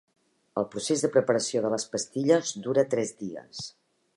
El procés de preparació de les pastilles dura tres dies.